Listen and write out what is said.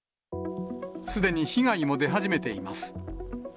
すでに被害も出始めています。